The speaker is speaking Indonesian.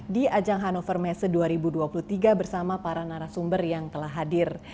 di ajang hannover messe dua ribu dua puluh tiga bersama para narasumber yang telah hadir